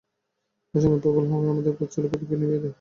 বাসনার প্রবল হাওয়ায় আমাদের পথ চলবার প্রদীপকে নিবিয়ে দেয়।